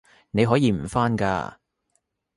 你可以唔返㗎